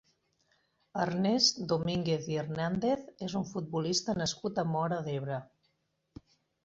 Ernest Domínguez i Hernàndez és un futbolista nascut a Móra d'Ebre.